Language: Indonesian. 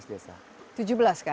tujuh belas sekarang ya